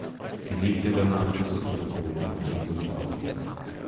Sie lebte danach bis zu ihrem Tod in Hain-Gründau.